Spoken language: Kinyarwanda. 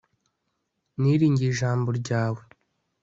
niringiye ijambo ryawe